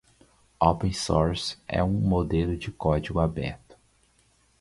Open Source é um modelo de código aberto.